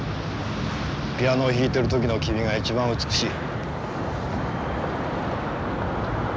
ピアノを弾いてる時の君が一番美しい。